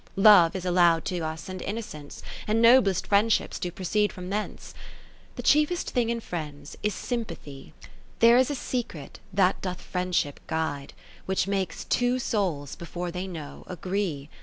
Love is allow'd to us and Innocence, And noblest friendships do proceed from thence, v The chiefest thing in friends is Sympathy : There is a secret that doth friend ship guide. Which makes two souls before they know agree.